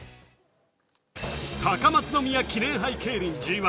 高松宮記念杯競輪Ｇ１。